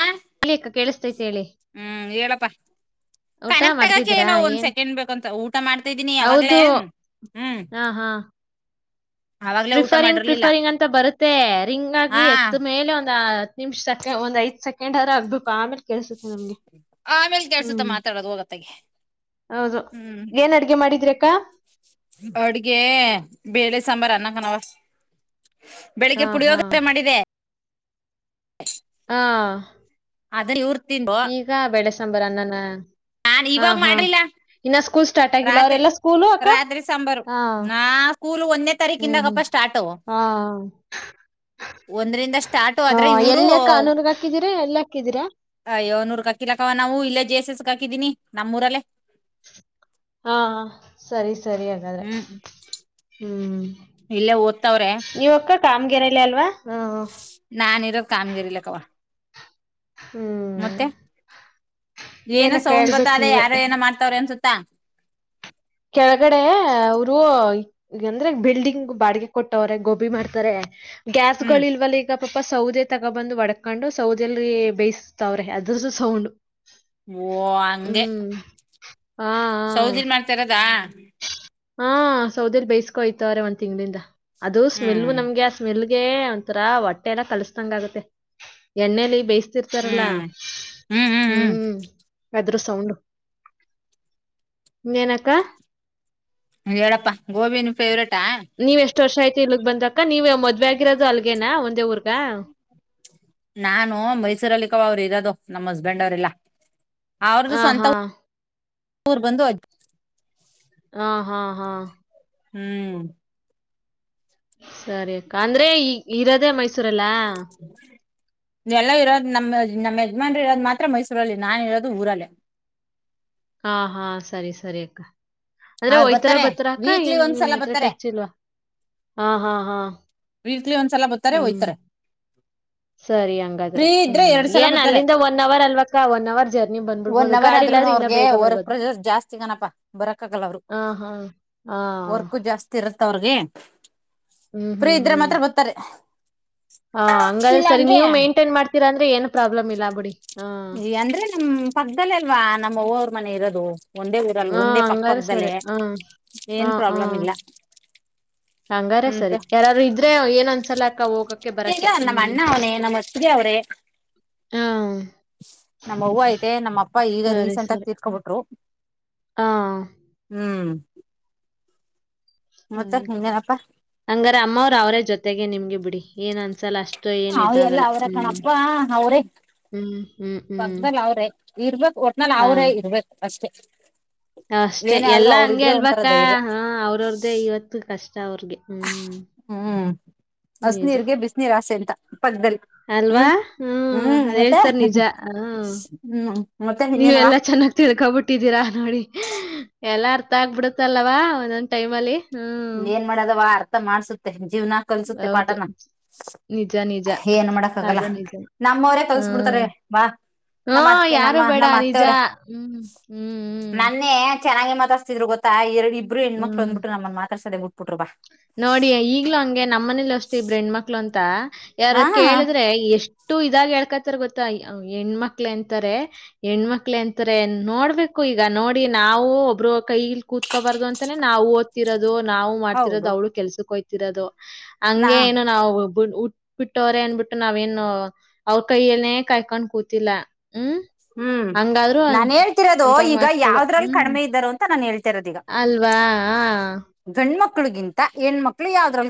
ಹ ಹೇಳಿ ಅಕ್ಕ ಕೇಳಿಸ್ತೈತೆ ಹೇಳಿ ಹ್ಮ್ ಹೇಳಪ್ಪಾ ಊಟ ಕನೆಕ್ಟ್ ಆಗಕೆ ಮಾಡ್ತಿದ್ದೀರಾ ಏನೊ ಒಂದ್ ಏನ್ ಸೆಕೆಂಡ್ ಬೇಕಂತ ಊಟ ಮಾಡ್ತಾದ್ದೀನಿ ಯಾವಾಗ್ಲೇ ಹೌದು ಹ್ಮ್. ಹಾ ಹಾ ಅವಾಗ್ಲೇ ಊಟ ಪ್ರಿಫರಿಂಗ್ ಮಾಡಿರ್ಲಿಲ್ಲ ಪ್ರಿಫರಿಂಗ್ ಅಂತ ಬರುತ್ತೆ ರಿಂಗ್ ಆಗಿ ಹಾ ಎತ್ ಮೇಲೆ ಒಂದ್. ನಿಮ್ಶಕೆ ಒಂದ್ ಐದ್ ಸಕೆಂಡಾರ ಆಗ್ಬೇಕು ಆಮೇಲೆ ಕೆಲ್ಸುತ್ ಆಮೇಲ್ ಕೆಳ್ಸುತ್ತ ಮಾತಾಡದ್ ಹೋಗತ್ತಗೆ. ಹೌದು ಹ್ಮ್ ಏನ್ ಅಡ್ಗೆ ಮಾಡಿದ್ರಿ ಅಕ್ಕ ಅಡ್ಗೆ ಬೇಳೆ ಸಾಂಬಾರ್ ಅನ್ನಕನವ. ಬೆಳಿಗ್ಗೆ ಹಾ ಹಾ ಪುಡಿಯೋಗರ ಮಾಡಿದೆ ಹಾ ಆದ್ರ ಇವ್ರ ಈಗ ಬೆಳೆಸ ಸಂಂಬರ ಅಣ್ಣ್ಣ ನಾ ಇವಾಗ ಮಾಡ್ಲಿಲ್ಲ ಸ್ಕೂಲ್ ಸ್ಟಾರ್ಟ್ ಆಗಿಲ್ಲ ಅವರೆಲ್ಲಾ ಸ್ಕೂಲ್ ಅಕ್ಕ ಹ ನಾ ಸ್ಕೂಲ್ ಒಂದೇ ತಾರೀಕ ಸ್ಟಾರ್ಟ ಒಂದರಿಂದ ಸ್ಟಾರ್ಟ ಹಾ ಆದ್ರೆ ಇರು ಎಲ್ಲಿ ಅಕ್ಕ ಅನೂರ್ಗ್ ಹಾಕಿದಿರಾ ಎಲ್ಲಿ ಹಾಕಿದಿರಾ ನೂಕಲ ನಾ ಇಲ್ಲ ಜ ಹಾಕಿದೀನಿ ನಮ್ಮೂರಲ್ಲೇ ಹಾ ಸರಿ ಸರಿ ಹಾಗಾದ್ರೆ ಹ್ಮ್್ಮ ಹ್ಮ್ ಇಲ್ಲೇ ಓದ್ತವ್ರೆ ಕಾಮ ಗೆರೆಲೇ ಅಲ್ವಾ ಹಾ ನಾ ನಿರೋದ ಕಾಮಗಿರಿಲ್ಲ ಕವ ಹ್ಮ್ ಮತ್ತೆ ಏನ ಇನ್ನೇನಕ್ಕ ಸೌಂಡ್ ಹೇಳ್ಬೇಕು ಬತ್ತಾದ್ರೆ ನೀವೇ ಯಾರ ಏನ ಮಾಡ್ತವ್ರ ಅನ್ಸುತ್ತ ತ್ತ ಕೆಳಗಡೆ ಅವರು ಈಂದ್ರೆ ಬಿಲ್ಡಿಂಗ್ ಬಾಡಿಗೆ ಕೊಟ್ಟವ್ರೆ ಗೋಬಿ ಮಾಡ್ತಾರೆ ಗ್ಯಾಸ್ ಹ್ಮ್ ಗಳ ಇಲ್ವಲ್ಲ ಈಗ ಪಾಪ ಸೌದೆ ತಗ ಬಂದುಒಡಕೊಂಡು ಸೌದೆೆಯಲ್ಲಿ ಬೇಯಿಸತಾವ್ರೆ ಅದ್ರದ್ದು ಸೌಂಡ್ ಓ ಅಂಗೆ ಹ್ಮ್ ಹಾ ಹಾ ಸೌದಿಯಲ್ಲಿ ಮಾಡತಾರದ ಹಾ ಸೌದರಿ ಬೇಸ್ಕೊಯ್ತವಾರೆ ಒಂದ್ ತಿಂಗಗಳಿಂದ ಅದು ಸ್ಮೆಲ್ ಹ್ಮ್ ನಮ್ಗೆ ಆ ಸ್ಮೆಲ್ ನಂಗೆ ಒಂಥರ ಹೊಟ್ಟೆ ಎಲ್ಲ ಕಲ್ಸತಂಗ ಆಗುತ್ತೆ ಎಣ್ಣೆ ಬೈಸ ಹ್ಮ್ ಹ್ಮ್ ಹ್ಮ್ ಹ್ಮ್ ಅದ್ರ ಸೌಂಡ್ ಇನ್ನು ಎನಅಕ್ಕ ಅ ಹೇಳಪ್ಪ ಗೋಬಿ ನೀ ಫೇವ್ರೇಟ್ ನೀವೆ ಎಷ್ಟ ಎಷ್ಟು ವರ್ಷ ಆಯತಿ ಇಲ್ಗ್ ಬಂದಕ್ಕ ನೀವ್ ಮದ್ವೆ ಆಗಿರೋದು ಅಲ್ಗೇನಾ ಒಂದೇ ಊರ್ಗ ನಾನು ಮೈಸೂರಲ್ಲಿಕ್ಕ ಅವರು ಇರೋದು ನಮ್ಮ್ ಹಸ್ಬೆಂಡ್ ಅವ್ರಲ್ಲ ಅವ್ರ್ದು ಆ ಸ್ವಂತ ಹಾ. ಊರು ಮೂರ್ ಬಂದು ಹಾ- ಹಾ - ಹಾ ಹ್ಮ್ ಸರಿ ಅಕ್ಕ ಅಂದ್ರೆ ಇಗ ಇರದು ದ ಮೈಸ್ ಸುರೆಲ್ಲ ಎಲ್ಲ ಇರೋದು್ ನಮ್ಮ ನಮ್ಮ ಯಜಮಾನ್ರಿ ಇರೋದು ಮಾತ್ರ ಮೈಸೂರಲ್ಲಿ ನನ್ ಇರೋದು ಊರಲ್ಲೇ ಹಾ- ಹಾ ಸರಿ -ಸರಿ ಅಕ್ಕ ಅಂದ್ರೆ ಅವ್ರು ಒಯ್ತರ ಬರ್ತಾರೆ ಬತ್ತರ ಅಕ್ಕ ವೀಕ್ಲಿ ನ್ ಒಂದ್ಸಲ ನಿಮ್ಮ್ ಹತ್ರ ಬರ್ತಾರೆ ಟಚ್ ಇಲ್ವಾ ಹ ಹಾ ಹಾ ವಿ ಹ್ಮ್ ಸರಿ ಫ್ರೀ ಹಾಗಂಗಾದ್ರೆ ಇದ್ರೆ ಹ್ಮ್ ಎರಡ್ ಸಲ ಏನ್ ಬರ್ತಾರೆ ಅಲ್ಲಿಂದ ಒನ್ ಅವರ್ ಅಲ್ವಕ್ಕ ಒನ್ ಅವರ್ ಜರ್ನಿ ಒನ್ ಬಂದ್ಬಿಡ್ಬೋದು ಅವರ್ ಆದ್ರೂನು ಗಾಡಿಲಾದ್ರೆ ಇನ್ನ ಅವ್ರಿಗೆ ಬೇಗ ವರ್ಕ್ ಬರ್ಬೋದು ಪ್ರೆಷರ್ ಜಾಸ್ತಿ ಕಣಪಾ ಬರಕ್ ಆಗಲ್ಲ ಅವ್ರು ಹ ಹಾ ಹಾ ತ್ತ ಅವ್ರಿಗೆ ಫ್ರೀ ಇದ್ರೆ ಮಾತ್ರ ಬರ್ತರೆ ಹ ಹಂಗಾದ್ರೆ ಸರಿ ನೀವು ಮೈಂಟೈನ್ ಮಾಡ್ತೀರಾ ಅಂದ್ರೆ ಏನ್ ಪ್ರಾಬ್ಲಮ್ ಇಲ್ಲ ಬುಡಿ ಈ ಅಂದ್ರೆ ನಮ್ ಪಕ್ಕದಲ್ಲೆ ಅಲ್ವಾ ನಮ್ಮ ಅವ್ವರು ಮನೆ ಇರೋದು ಒಂದೇ ಊರಲ್ಲಿ ಹ್ಮ ಒಂದೇ ಪಕ್ಕ ಹಂಗಾರ ಪಕ್ಕದಲ್ಲೇ ಸರಿ ಹ್ಮ ಏನ್ ಹ ಪ್ರಾಬ್ಲಮ್ ಹ್ಮ ಇಲ್ಲ ಹಂಗಾರ ಹ್ಮಂತ ಸರಿ ಯಾರಾರು ಇದ್ರೆ ಏನ್ ಅಂಸಲಕ್ಕ ಹೋಗಕ್ಕೆ ಇಲ್ಲ ಬರಕ್ಕೆ ನಮ್ಮ ಹ್ಮ್ ಅಣ್ಣ ಅವನೇ ನಮ್ಮ ಅತ್ತಿಗೆ ಅವ್ರೇ ಹ್ಮ್ ನಮ್ಮ ಅವು ಐತೆ ನಮ್ಮ ಅಪ್ಪ ಈಗ ಸರಿ, ರೀಸೆಂಟ್ ಆಗ ಸರಿ. ತರ್ಕೊಬಿಟ್ರು ಹಾ, ಹ್ಮ್ ಮತ್ತೆ ಇನ್ನೇನಪ್ಪಾ ಹಂಗಾರ ಅಮ್ಮವ್ರ ಅವ್ರೇ ಜೊತೆಗೆ ನಿಮ್ಗೆ ಬಿಡಿ ಏನ್ ಅನ್ಸಲ್ಲ ಅಷ್ಟು ಏನ್ ಅವ ಎಲ್ಲ ಇದಾಗಲ್ಲ. ಅವರ ಹ್ಮ್. ಕಣಪ್ಪಾ ಅವ್ರೇ ಹ್ಮ್, ಹ್ಮ್, ಹ್ಮ್. ಪಕ್ಕದಲ್ ಅವ್ರೆ ಇರ್ಬೇಕಕ್ ಒಟ್ನಲ್ಲಿ ಹಾ. ಅವ್ರೇ ಇರ್ಬೇಕು ಅಷ್ಟೇ ಅಷ್ಟೇ ಏನೇ ಆದ್ರೂ ಎಲ್ಲಾ ಹಂಗೆ ಅವ್ರಿದ್ರೆ ಅಲ್ಬ ಒಂಥರ ಧೈರ್ಯ ಹ ಅವ್ರ ಅವ್ರ್ದೇ ಇವತ್ತು ಕಷ್ಟ ಅವ್ರಿಗೆ. ಹ್ಮ್. ಹ್ಮ್ ನಿಜ. ಹಸನೀರ್ಗೆ ಬಿಸಿನೀರ್ ಆಸೆ ಎಂತ ಅಲ್ವಾ ಹ್ಮ್ ಅದ್ ಹೇಳ್ತಾರ ನಿಜ ಹ್ಮ ಹ್ಮ್ ಮತ್ತೆ ಇನ್ನೇನವಾ ನೀವೆಲ್ಲಾ ಚೆನ್ನಾಗ್ತರ ಕಬಟ್ಟಿದ್ದೀರಾ ನೋಡಿ ಎಲ್ಲರ ತ್ತಗ ಬಿಡುತ್ತಲವಾ ಒಂದೊಂದ್ ಟೈಮ ಅಲ್ಲಿ ಏನ್ ಮಾಡೋದ ವ ಅ ಮಾಡಸುತ್ತೆ ಜೀವ್ನ ಕಲ್ಸುತ್ತೆ ಹೌದು. ಪಾಠನ ನಿಜ, ನಿಜ. ಏನ್ ಮಾಡಕ್ ಆಗಲ್ಲ ಅದು ನಿಜ. ನಮ್ಮವರೇ ಕಲ್ಸಬಿಡ್ತಾರೆ ಹ್ಮ್. ಬಾ ನಮ್ಮ ಹ್ಮ್, ಅತ್ತೆ ನಮ್ಮ ಯಾರು ಬೇಡ ನಮ್ಮ ನಿಜ. ಅತ್ತೆವರೇ ಹ್ಮ್. ಹ್ಮ್, ನನ್ನೇ ಚೆನ್ನಾಗಿ ಮ ಮಾತಾಸ್ತಿದ್ರು ಗೊತ್ತ ಎರಡು ಇಬ್ರು ಹ್ಮ್. ಹ್ಮ್. ಹೆಣ್ಮಕ್ಳಂದಬಟ್ಟು ನಮ್ಮ ತಸಡವು ನೋಡಿ ಈಗ್ಲೂ ಹಂಗೆ ನಮ್ಮನೇಲಿ ಹೊಸ್ತ ಹೆಣ್ಮಕ್ಳು ಅಂತ ಯಾರ ಹಾ ಕೇಳಿದ್ರೆ ಎಷ್ಟ ಇು ಇದಾಗ ಹೇಳ್ಕತ್ತಾರ ಗೊತ್ತಾ ಹೆಣ್ಮಕ್ಳ ಅಂತಾರೆ ಹೆಣ್ಮಕ್ಳ ಅಂತಾರೆ ನೋಡ್ಬೇಕು ಈಗ ನೋಡಿ ನಾವು ಒಬ್ರು ಕೈಲಿ ಕೂತ್ಕೋಬಾರ್ದು ಅಂತಾನ ನಾವು ಓದ್ತಿರೋದು ನಾವು ಇರದ ಹೌದು ಅವಳ ಕೆಲ್ಸಕ್ಕೆೋಯ ತ್ತರದ ನಾ ಹಂಗೆ ಏನು ನಾವು ಉಟ್ಬಿಟ್ಟವ್ರ ಅನ್ಬಿಟ್ಟು ನಾವೇನು ಅವ್ರ ಕೈಯನೇ ಕಾಯ್ಕೊಂಡ್ ಕೂತಿಲ್ಲ ಹ್ಮ್, ಹ್ಮ್ ಹಂಗಾದ್ರೂ ನಾನ್ ಹೇಳ್ತಿರೋದು ಅಂತ ಈಗ ಮಾತುಗಳು. ಯಾವ್ದ್ರಲ್ಲಿ ಹ್ಮ್, ಕಡಿಮೆ ಇದ್ದಾರ ಅಂತ ನಾನ್ ಹೇಳ್ತಿ ಅಲ್ವಾ ಮಕ್ಕಳಿಗಿಂತ ಹೆಣ ಮಕ್ಳು ಯಾವ್ದ್ರ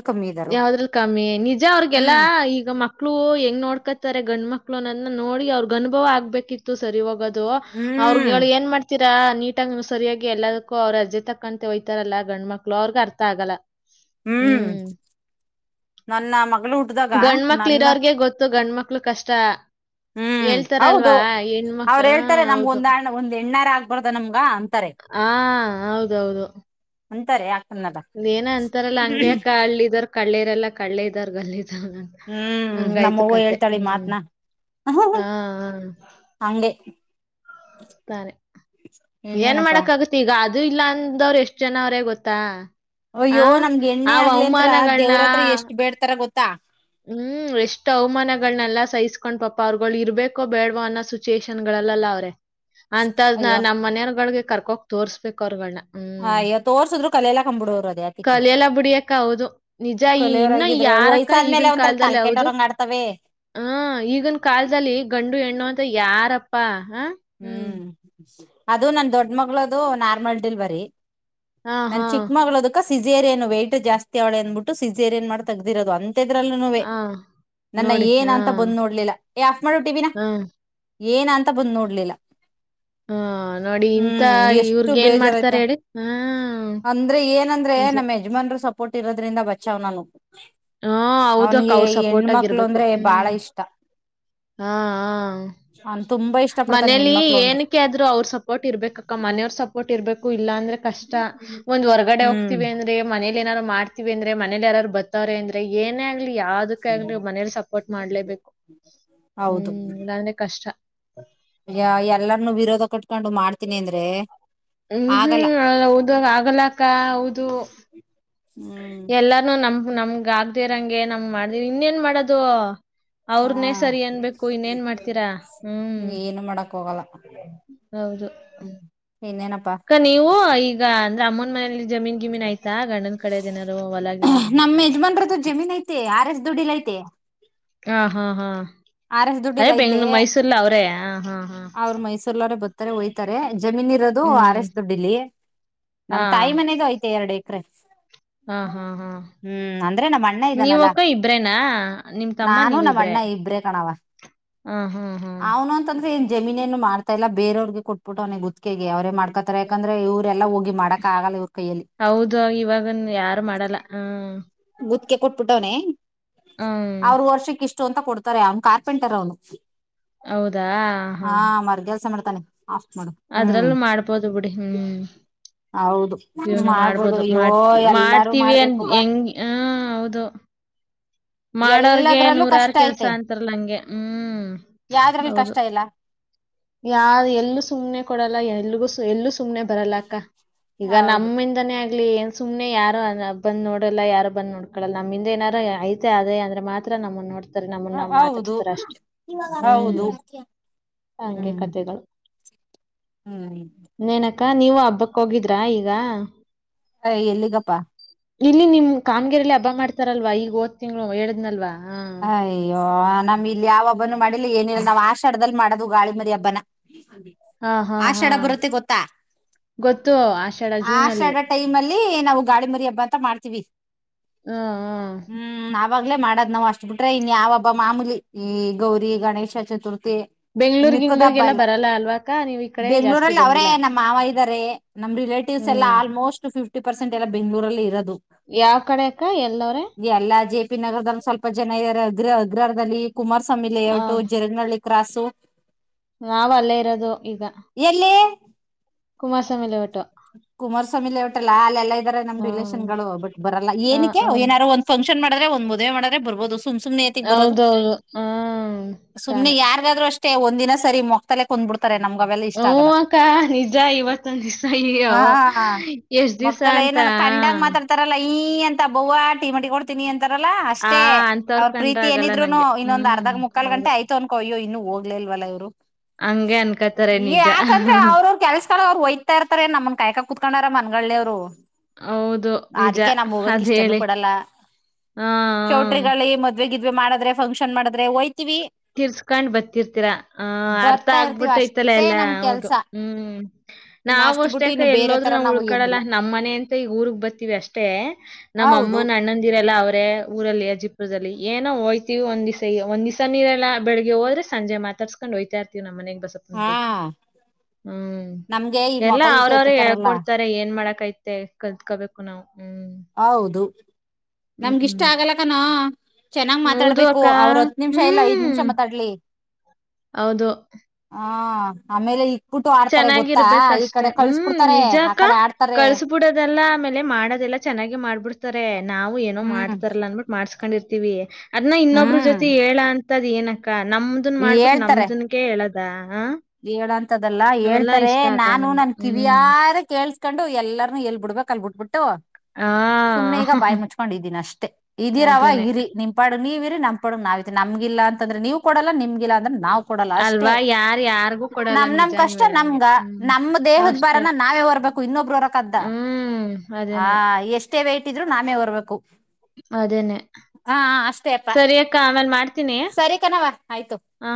ಯಾವ್ದ್ರಲ್ ಕಮ್ಮಿ ನಿಜ ಅವ್ರಗೆಲ್ಲಾ ಹ್ಮ್ ಈಗ ಮಕ್ಕ ಮಕ್ಳು ಹೆಂಗ್ ನೋಡ್ಕತಾರೆ ಗಂಡ ಮಕ್ಳು ಅನ್ನೋದನ್ನ ನೋಡಿ ಅವ್ರಗ್ ಅನುಭವ ಆಗ್ಬೇಕಿತ್ತು ಸರಿ ಇವಾಗದು ಅವ್ರಗ್ ಹ್ಮ್ ಹೇಳ ಏನ್ ಮಾಡ್ತ ನೀಟಾಗಿ ಸರಿಯಾಗಿ ಎಲ್ಲದಕ್ಕೂ ಅವರು ಅಜೆ ತಕ್ಕಂತೆ ಹಯ್ತಾರಲ್ಲ ಗಂಡ ಮಕ್ಳು ಅವ್ರಗ ಅರ್ಥ ಆಗಲ್ಲ ಹ್ಮ್ ನನ್ನ ಮಗಳು ಹುಟ್ದಾಗ ನನ್ನ ಗಂಡ ಮಕ್ಳು ಕಷ್ಟ ಹ್ಮ್ ಹೌದು ಹೇಳ್ತಾರಲ್ವಾ ಹೆಣ್ಮಕ್ ಅವ್ರ ಆ! ಹೇಳ್ತಾರೆ ನಮ್ಗ ಹೌದು. ಒಂದ್ಣ್ಣ ಒಂದ್ ಹೆಣ್ಣಾರ ಆಗ್ಬಾರ್ದ ನಮ್ಗ ಅಂತಾರೆ ಹಾ ಹೌದೌದು ಅಂತಾರೆ ಯ ಇದೇಏನ ಅಂತಾರಲ್ಲ ಹಂಗಗೆಕ ಹಳ್ಳ ಇದರ್ ಕಳ್ಳೇರಲ್ಲ ಕಡ್ಳ್ಳೇ ಇದರ್ ಗಲ್ಲಿ ಹ್ಮ್ ನಮ್ಮವ ಹೇಳ್ತಾಳೆ ಹ್ಮ್. ಮಾತ್ನಾ ಆ! ಹಂಗೆ ತಾರೆ ಏನ್ ಇನ್ನೇನಪ್ಪಾ ಮಾಡಕ ಆಗತ್ತ ಈಗ ಅದು ಇಲ್ಲ ಅಂದವ್ರು ಎಷ್ಟ್ ಜನ ಅವ್ರೇ ಗೊತ್ತಾ ಆ ಅಯ್ಯೋ ನಮ್ಗೆ ಆ ಎಣ್ಣೆ ಆಗ್ಲಿ ಅಂತ್ರ ಅವಮಾನಗಳನ್ನ ದೇವ್ರತ್ರ ಎಷ್ಟ್ ಬೇಡ್ತರ ಗೊತ್ತ ಕುತ್ತ ಹ್ಮ್ ಎಷ್ಟ್ ಅವಮಾನಗಳನೆಲ್ಲಾ ಸಹಿಸ್ಕೊಂಡ್ ಪಾಪ ಅವ್ರರುಗಳು ಇರ್ಬೇಕೋ ಬೇಡ್ವ ಅನ್ನೋ ಸಿಚುುವೇೇಶನ್ ಗಳಲ್ಲಲ್ಲ ಅವ್ರೆ ಅಂತ್ ನ ಅಯ್ಯೋ ನಮ್ಮ ಮನೆಯವಗಳಗೆ ಕರ್ಕೊ ತೋರ್್ಬೇಕು ಅವರ್ವಣ್ಣ ಹ ಇವತ್ತುೋರ್ಸಿದ್ರು ಕಲೆೆಲ್ಲ ಕ್ಬಿಡೋರು ಅದೇ ಅತಕ್ಕೆ ಕಲಿಯಲ್ಲ ಬಿಡಿಯಕ್ಕ ಹೌದು ನಿಜ ಈ ಇನ್ನ ಕಲೆಯೋರಾಗಿದ್ರೆ ಯಾರಕ್ಕ ವಯಸ್ಸಾದ್ಮೇಲೆ ಈಗಿನ ಒಂಥರ ಕಾಲದಲ್ಲಿ ಹೌದು ತಲ್ಕೆಟ್ಟೋರಂಗ ಆಡ್ತವೆ ಹ ಈಗಿನ ಕಾಲದಲ್ಲಿ ಗಂಡು ಹೆಣ್ಣು ಅಂತ ಯಾರಪ್ಪ ಪ್ಪಾ ಹ್ಮ್ ಅದು ನನ್ ದೊಡ್ಡ ಮಗಳದು ನಾರ್ಮಲ್ ಡಿಲ್ವರಿ ಹಾ ನನ್ ಹಾ ಚಿಕ್ಕ ಮಗ್ಳೋದಕ್ಕ ಸಿಜೇರಿಯನ್ನು ವೈಟ್ ಜಾಸ್ತಿ ಅವಳ ಅಂದ್ಬಿಟ್ಟು ಸಿಜೇರಿಯನ್ ಮಾಡಿ ತೆಗಿರೋದು ಅಂತ ತ್ತ ಇದ್ರಲ್ಲೇ ಹಾ ನನ್ನ ನೋಡಿ ಏನ ಹಾ ಅಂತ ಬಂದ್ ನೋಡ್ಲಿಲ್ಲ ಏ ಆಫ್ ಮಾಡ ಟಿವಿನ ಹಾ ಏನ ಅಂತ ಬಂದ್ ನೋಡಿ ಇಳ್ಳಿಲ್ಲ ಹಾ ನೋಡಿ ಇಂಥ ಹ್ಮ್ ಎಷ್ಟು ಇವ್ರಿಗೇನ್ ಬೇಜಾರಾಯ್ತ ಮಾಡ್ತಾರೆ ಹೇಳಿ? ಹಾ. ಅಂದ್ರೆ ಏನಂದ್ರೆ ನಿಜ. ನಮ್ಮ ಯಜಮಾನ್ರು ಸ್ವಲ್ ಕೊಟ್ಟಿರೋದ್ರಿಂದ ಬಾವ್ ನಾನ ಹಾ ಹೌದ ಅಕ್ಕ ಅವ್ರ ಸಪೋರ್ಟ್ ಹೆಣ್ಮಕ್ಳು ಆಗಿರ್ಬೇಕು ಅಂದ್ರೆ ಬಾಳ ಹ್ಮ್ ಇಷ್ಟ ಹಾ ಅವ್ನ್ ತುಂಬಾ ಇಷ್ಟ ಪಡ್ತಾನೆ ಮನೇಲಿ ಹೆಣ್ಮಕ್ಳು ಅಂದ್ರೆ ಏನಕ್ಕೆ ಆದ್ರು ಅವ್ರ ಸಪೋರ್ಟ್ ಇರ್ಬೇಕಕ್ಕ ಮನೆಯವ್ರ ಸಪೋರ್ಟ್ ಇರ್ಬೇಕು ಇಲ್ಲ ಕಷ್ಟ ಒಂದ್ ಹೊರ್ಗಡೆ ಹ್ಮ್ ಹೋಗ್ತಿವಿ ಅಂದ್ರೆ ಮನೇಲಿ ಏನಾರ್ರು ಮಾಡ್ ಅಂದ್ರ ಮನೆಲ್ಲಿ ಯಾರು ಬ ಾರೆ ಅಂದ್ರೆ ಏನ್ ಯಾವ್ದಕ್ಕ ಆಲಿ ಮನೇಲಿ ಸಪೋರ್ಟ್ ಮಾಡ್ಲೇಬೇಕು ಹೌದು ಹ್ಮ್ ಇಲ್ಲಾಂದ್ರೆ ಕಷ್ಟ ಹನಿ ಅಂದ್ರೆ ಹ್ಮ್ ಆಗಲ್ಲ ಹ್ಮ್ ಹೌದು ಆಗಲಕ್ಕ ಹೌದು ಹ್ಮ್ ಎಲ್ಲಾನೂ ನಮ ನಮ್ಗ ಆಗ್್ದೇರಂಗೆ ನಮ್ ಮಾಡ್ದಿ ಇನ್ೇನ್ ಮಾಡೋದು ಹಾ ಅವ್ರನ್ನೇ ಸರಿ ಅನ್ಬೇಕು ಇನ್ನೇನ್ ಮಾಡ್ತೀರಾ ಹ್ಮ್ ಏನು ಮಾಡಕ್ ಹೋಗಲ್ಲ ಹೌದು ಇನ್ನೇನಪ್ಪಾ ಅಕ್ಕ ನೀವು ಈಗ ಅಂದ್ರೆ ಅಮೌಂ ೇ ಜಮೀನ್ ಗಿಮೀನ್ ಆಯ್ು ನಮ್ಮ್ ಯಜಮಾನ್ರದ್ದು ಜಮೀನ್ ಐತೆ ಆರ್ ಎಸ್ ದುಡ್ಡಿಲ ಐತೆ ಹಾ ಹಾ ಹಾ ಆರ್ ಎಸ್ ಅದೇ ದುಡ್ಡಿಲ್ ಐತೆ ಬೆಂಗ್ೂ ಮೈಸೂರ್ಲ್ಲ ಅವ್ರೇ ಹ ಹಾ ಹಾ ಹ ಹೋಯ್ತಾರೆ ಜಮೀನ್ ಇರೋದು ಆರ್ ಹ್ಮ್ ಎಸ್ ದುಡ್ಡಿಲಿ ಹಾ ನಮ್ ತಾಯಿ ಮನೆದು ಐ್ತೆ ಎರಡ ಕ್ರೆ ಹಾ ಹಾ ಹಾ ನಮ್ ಅಣ್ಣ ಇದಾನಲ್ಲಾ ನೀವಕ್ಕ ಇಬ್ರೇನಾ ನಿಮ ತಮ್ಮ ನೀವ ಇಬ್ರೇ ಹಾ ಹಾ ಹಾ ಅವನು ಅಂತ ಏ ಜಮೀನ್ ಏನು ಮಾಡ್ತ ಇಲ್ಲ ಬೇರವ್ರಿಗೆ ಕೊಟ್ಬುಟ್ ಅವ್ನೆ ಗುತ್ತಿಗೆಗೆ ಅವ್ರೇ ಮಾಡ್ಕತರೆ ಯಾಕಂದ್ರೆ ಇವ್ರೆಲ್ಲ ಹೋಗ್ ಹೌದು ಇವಾಗನ್ ಯಾರು ಮಾಡಲ್ಲ ಹ್ಮ. ಗುತ್ತಿಗೆ ಕೊಟ್ಬುಟ್ಟವ್ನೆ ಹ್ಮ್ ಅವ್ರ್ ವರ್ಷಕ್ ಇಷ್ಟು ಅಂ ಅಂತ ಕೊಡ್ತಾರೆ ಅವ್ನ್ ಕಾರ್ಪೆಂಟರ್ ಅವ್ನು. ಹೌದಾ ಹ್ಮ್. ತನ್ ಅದ್ರಲ್ಲು ಮಾಡ್ಬೋದು ಬಿಡಿ ಹ್ಮ್ ಹೌದು ಜೀವ್ನ ಮಾಡ್ಬೋದು ಅಯ್ಯೋ ಮಾಡ್ ಎಲ್ಲಾರು ಮಾಡ್ತೀವಿ ಅನ್ ಮಾಡ್ಬೇಕು ಬಾ ಹೆಂಗ್ ಹ. ಹೌದು ಮಾಡೋರ್ಗೆ ಎಲ್ಲದ್ರಲ್ಲೂ ನೂರಾರ್ ಕಷ್ಟ ಕೆಲ್ಸ ಐತೆ ಅಂತಾರಲ್ಲ ಹಂಗೆ ಹ್ಮ್ ಯಾವ್ದ್ರಲ್ಲಿ ಹೌದು. ಕಷ್ಟ ಇಲ್ಲ ಯಾರು ಎಲ್ಲೂ ಸುಮ್ನೆ ಕೊಡಲ್ಲ ಎಲ್ಗು ಎಲ್ಲೂ ಸುಮ್ನೆ ಬರಲ್ಲಕ್ಕ ಈಗ ಹೌದು ನಮ್ಮಿಂದಾನೇ ಆಗ್ಲಿ ಏನ್ ಸುಮ್ಮನೆ ಯಾರು ಬಂದ್ ನೋಡಲ್ಲ ಯಾರು ಬಂದ್ ನೋಡ್ಕೊಳ್ಳಳಲ್ಲ ನಮ್ಮಿಂದ ಏನಾದಾರು ಐತೆ ಅದೆ ಅಂದ್ರೆ ಮಾತ್ರ ನಮ್ಮುನ್ ನೋಡ್ತಾರೆ. ಅ ನಮ್ಮನ್ನ ಹ ಹೌದು ಮಾತಾಡ್ಸ್ತಾರ ಅಷ್ಟೆ ಹ್ಮ್ ಹೌದು. ಹಂಗೆ ಹ್ಮ್ ಕಥೆಗಳ್. ಹ್ಮ್. ಇಗ ನೀವು ಹಬ್ಬಕ್ ಹೋಗಿದ್ರಾ ಈಗ. ಯ್ ಎಲ್ಲಿಗಪ್ಪಾ. ಇಲ್ಲಿ ನಿಮ್ ಕಾಮ್ಗೆರೆಲಿ ಹಬ್ಬ ಮಾಡ್ತಾರಲ್ವಾ ಈಗ್ ಓದ್ ತಿಂಗ್ಳು ಹೇಳುದ್ನಲ್ಲ. ಅಯ್ಯೋ ನಮ್ ಇಲ್ಲಿ ಯಾವ್ ಹಬ್ ಹಬ್ಬನು ಮಾಡಿಲ್ಲ ಏನಿಲ್ಲ ನಾವು ಆಷಾಡ್ದಲ್ ಮಾಡೋದು ಗಾಳಿ ಮರಿ ಹಬ್ಬನ. ಹಾ ಹಾ ಹಾ ಆಷಾಡ ಬರುತ್ತೆ ಗೊತ್ತಾ, ಗೊತ್ತು ಆಷಾಢ ಜೂನ್ ಅಲ್ಲಿ ಆಷಾಡ ಟೈಮಲ್ಲಿ ನಾವು ಗಾಳಿ ಮರಿ ಹಬ್ಬ ಅಂತ ಮಾಡ್ತೀವಿ. ಹ್ಮ್ ಹ್ಮ. ಆವಾಗಲೇ ಮಾಡೋದ್ ನಾವ್ ಅಷ್ ಬಿಟ್ರೆ ಇನ್ನ್ ಯಾವ್ ಹಬ್ಬ ಮಾಮೂಲಿ ಈ ಗೌರಿ ಗಣೇಶ ಚತುರ್ ತಿ ಇನ್ನ ಬೆಂಗ್ಳೂರ್ ಮಿಕ್ಕದ ಹಬ್ಬ ಗಿಂಗ್ಳೂರ್ಗೆಲ್ಲ ಎಲ್ಲ, ಬರಲ್ಲ ಅಲ್ವಾಕ ನೀವ್ ಈ ಕಡೆ ಜಾಸ್ತಿ ಬೆಂಗ್ಗಳೂರಲ್ ಅವ್ರೇ ಬಂದಿಲ್ಲ ನಮ್ ಮಾವ ಇದ್ದಾರೆ ನಮ್ಮ್ ರಿಲೇಟಿವ್ಸ್ ಎಲ್ಲ ಹ್ಮ್ ಆಲ್ಮೋಸ್ಟ್ ಫಿಫ್ಟ ಟಿ ಪರ್ಸೆಂಟ್ ಎಲ್ಲ ಬೆಂಗ್ಳೂರಲ್ಲಿ ಇರದು. ಯಾವ್ ಕಡೆ ಅಕ್ಕ ಎಲವ್ರೆ. ತಿ ನಗರ್ ಸ್ವಲ್ಪ್ ಇಪ್ಪತ್ ಜನ ಇದಾರೆ ಅಗ್ರ ಅಗ್ರಹಾರ್ದಲ್ಲಿ. ಕುಮಾರಸ್ವಾಮಿ ಹ ಲೇಔಟು ಜರಗ್ನಳ್ಳಿ ಕ್ರಾಸು. ನಾವ್ ಅಲ್ಲೇ ಇರೋದು ಈಗ. ಎಲ್ಲಿ ಮಾಸಮಲೆವಟ್ಟು. ಕುಮಾರಸ್ವಾಮಿ ಲಔಟ್ಟಲ್ಲ ಅಲ್ಲಲ್ಲ ಇದಾರೆ ನಮ್ ಹ ರಿಲೇಷನ್ ಗಳು ಬಿಟ್ಟ ಬರಲ್ಲ ಹ ಏನಕ್ಕೆ ಹ ಏನಾರು ಒಂದ. ಮಾಡ್ರೆ ಒಂದ ಮದುವೆ ಮಾಡ್ರ ಬರ್ಬೋದು. ಸುಮ್ ಸುಮ್ನೆ ಏತಕ್ ಬರೋದು ಹೌದೌದು ಹ್ಮ ತಾನೆ. ಅಷ್ಟ ಒಂದ ದಿನ ಸರಿ ಮಕ್ತಲೆೇ ಕುಂದ್ಬಡ್ತ. ಹಓ ಆ ಕಾ ನೀ ಜಾಯ ವತ ಸಾಯ. ಹ ಮಕ್ತಲ್ಲ ಏನ ಕಂಡಾಗ ಮಾತಾಡ್ತಾರಲ್ಲ. ನೀ ಅಂತ ಅ ಬಬವ ಟೀ ಮಟ್ಟಿ ಕೊತೀನಿ ಅಂತ. ಾರಲ್ಲಾ ಆ ಅಷ್ಟೇ ಅಂತವ್ರ ಅವ್ರ ಕಂಡ್ರ ಪ್ರೀತಿ ಆಗಲ್ಲ ಏನಿದ್ರುನು ನಂಗೆ ಇನ್ನೊಂದ್ ಹ್ಮ್ ಅರ್ಧಗ್ ಮುಕ್ಕಾಲ್ ಹೌದು ಗಂೆ ಆಯತ ಅನ್ಕೋಯ್ಯ ಇನ್ನು. ಹೋಗ್ಲೇಲ್ವಲ್ಲ ಇವರು. ಹಂಗೆ ಅನ್ಕತಾರೆ ಈ ನಿಜ ಯಾಕಂದ್ರೆ ಅವ್ರ ಅವರು ಕೆಲ್ಸ ಕಳ ಅವ್ರು ಒಯ್ತಾ ಇರ್ತಾರೆ ನಮಗ. ಕಾಯಕ ಕುೂತ್ಕೊಂಡಾರ ಮನ್ಗಳಿ ಅವರು ಹೌದು ನಿಜ ಅದಕ್ಕೆ ನಮ ಹೋಗಕ ಅದ್ ಇಷ್ಟನುೂ ಹೇಳಿ ಕೊಡಲ್ಲ ಹಾ ಹಾ. ಚೌಟ್ರಿಗಳಿ ಮದ್ವೆ. ಗ್ ಮಾಡದ್ರೆಫಂಕ್ಷನ್ ಮಾಡ್ರೆಯ್. ತಿೀರ್ಸ್ಕೊಂಡ್ ಬರ್ತಿರ್ತೀರಾ ಆ ಅರ್ಥ ಬರ್ತಾ ಇರ್ತಿವಿ ಆಗ್ಬಿಟ್ಟುಐತಲ್ಲ ಅಷ್ಟೇ ಎಲ್ಲ ನಮ್ ಹೌದು ಕೆಲ್ಸ ಹ್ಮ್ ಇನ್ನ ನಾವ ಅಷ್ಟ್ ಅಷ್ಟೆ. ಬಿಟ್ಟು ಇನ್ನು ಬೇರೆ ಎಲ್ಲೋದ್ೂ ತರ ನಾವ್ ನಾವು ಉಳ್ಕಡಲ್ಲ ಏನಿಲ್ಲ ನಮ್ಮ್ನೆ ಅಂತ ಈಗ ಊರ್ಗ್ ಬರ್ತೀವಿ ಅಷ್ಟೇ ನಮ್ಮ ಹೌದು ಅಮ್ಮನಣ್ಣಂದಿರಲ್ಲ ಅವ್ರ ಅಲ್ಲಿ ಅಜಿಪುರದಲ್ಲಿ ಏನೋ ಹೋ್ತೀವಿ ಒಂದ್ಿವಸ ಒಂದ ದಿವಸ ನೀರ ಎ ಬೆಳಗ್ ಹದ್ರೆ ಸಂಜೆ ಮಾತಾಡ್ಸ್ೊಂಡು ಹಯ್ತ ಇರ್ತವಿ ನ ಮನೆಗೆ ಬಸ ಹಾ ಹ್ಮ್ ನಮ್ಗೆ ಈ ಮೊಕ ಎಲ್ಲಾ ಗಿಕ ಅವ್ರವ್ರು ಎತ್ತತಾರಲ್ಲ ಹೇಳ್ಕೊಡ್ತಾರೆ ಏನ್ ಮಾಡಕ್ ಕೈತೆ ಕಲ್ತ್ಕೋಬೇಕು ನಾವ್ ಹ್ಮ್ ಹೌದು ಹ್ಮ್, ನಮ್ಗಿಷ್ಟ ಹ್ಮ್. ಆಗಲ್ಲಕನ ಹೌದು ಚೆನ್ನ್ತಾಡ್ಬೇಕು ಅಕ್ಕ. ಅವ್ರರು ಹತ್ ನಿಮಿಷ ಇಲ್ಲ ಐದ್ ನಿಮಷ ಹ್ಮ್. ಮಾತಾಡ್ಲಿ ಹೌದು ಹಾ ಆಮೇಲೆ ಇಕ್ಬಿಟ್ಟು ಆಡ್ತಾರೆ ಗೊತ್ತಾ ಚೆನ್ನಾಗಿರ್ಬೇಕ ಈ ಅಷ್ಟೆ ಕಡೆ ಹ್ಮ್ ಕಳ್ಸ್ಬಿಡ್ತಾರೆ ಆ ನಿಜಕ್ಕ ಕಡೆ ಆಡ್ತಾರೆ ಕಳ್ಸಬಿಡದೆಲ್ಲ ಆಮೇಲೆ ಮಾಡದೆಲ್ಲ ಚೆನ್ನಾಗಿ ಮಾಡ್ಬಿಡ್ತಾರೆ ನಾವು ಏನ ಹ್ಮ್ ಮಾಡ್ತಾರಲ್ಲ ಅನ್ಬಿಟ್ಟ ಮಾಡಸ್ ಹ ಕೊಂಡಿರ್ತೀವಿ ಅದ್ ಇನ್ನೊಬ್್ರ ಹ್ಮ್ ಜೊತೆ ಹೇಳ ಅಂತ ಅದ ಏನಕ್ಕ ನಮ್ದನ್ ಮಾಡ್ಬಿಟ್ಟು ನಮ್ದನ್ ಹೇಳದ ದಾ ಹೇಳ ಅಂತದಲ್ಲ ಹೇಳ್ತಾರೆ ಇಷ್ಟ ಆಗಲ್ಲ ನಾನು ನಂಗೆ. ನನ್ ಕಿವಿಯ ಹ್ಮ್. ಕೇಳ್ಸ್ಕೊಂಡು ಎಲ್ಲರನುೂ ಎಲ್ ಬಿಡ್ಬೇಕು ಅಲ್ಬ ಬಿಟ್ಬಿಟ್ಟು ಆ! ಸುಮ್ನೆ ಈಗ ಬಾಯಿ ಮುಚ್ಕೊಂಡಿದ್ದೀನಿ ಅಷ್ಟೇ ಇದೀರಾವ ಅದೇನೇ. ಇರಿ ನಿಮಪಾಡ್ ನೀವ ಇರಿ ನಮ್ ಪಾಡಿಗ ನಾವಿದೇವ ನಮ್ಗಿಲ್ಲ ಅಂದ್ರೆ ನೀವು ಕೊಡಲ್ಲ ನಿಮಗಿಲ್ಲ ಅಂದ್ರೆ ನಾವು ಕೊಡಲ್ಲ ಅಷ್ಟೇ ಅಲ್ವಾ? ಯಾರ್ ಯಾರಿಗೂ ಕೊಡಲ್ಲ ನಮ್ ನಮ್ ನಿಜ ನೀವ್ ಕಷ್ಟ ಹೇಳಂಗೆ. ನಮ್ಗ ಹ್ಮ್. ನಮ ದೇಹದ ಅಷ್ಟೇ. ಬಾರನ ನಾವೇ ಹೊರ್ಬೇಕು ಇನ್ನೊಬ್ರು ಹೊರಕ್ದ್ದ ಹ್ಮ್. ಆ ಅದೇನೇ, ಎಷ್ಟೇ ವೈಟ್ ಇದ್ರೂ ನಾನೆ ಹೊರ್ಬೇಕು ಅದೇನೇ ಹ ಅಷ್ಟೇ ಅಪ್ಪಾ ಸರಿ ಅಕ್ಕ ಆಮೇಲೆ ಮಾಡ್ತೀನಿ ಸರಿ ಕಣವ ಆಯ್ತು. ಹ